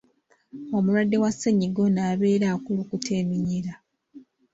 Omulwadde wa ssennyiga ono abeera akulukuta eminyira.